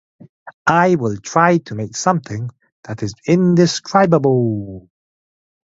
I will try to make something that is indescribable.